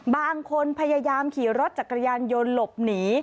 บางคนพยายามขี่รถจักรยานยนต์หลบหนี